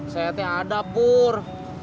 saya tiada pur